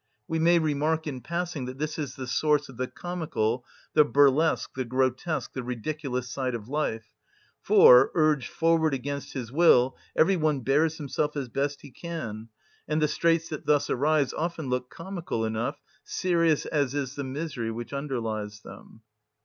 We may remark in passing that this is the source of the comical, the burlesque, the grotesque, the ridiculous side of life; for, urged forward against his will, every one bears himself as best he can, and the straits that thus arise often look comical enough, serious as is the misery which underlies them.